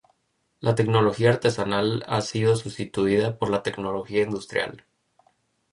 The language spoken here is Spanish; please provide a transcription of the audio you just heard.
La tecnología artesanal ha sido sustituida por la tecnología industrial.